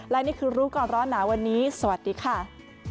และนี่คือรู้ก่อนร้อนหนาวันนี้สวัสดีค่ะ